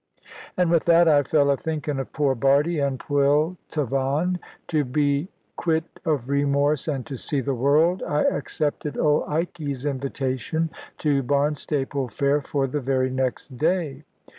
And with that I fell a thinking of poor Bardie and Pwll Tavan. To be quit of remorse, and to see the world, I accepted old Ikey's invitation to Barnstaple fair for the very next day.